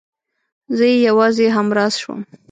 زه يې يوازې همراز شوم.